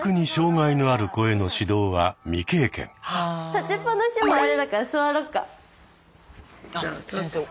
立ちっぱなしもあれだから座ろうか。